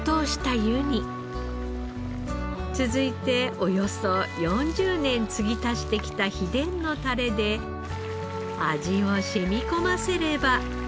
続いておよそ４０年継ぎ足してきた秘伝のタレで味を染み込ませれば。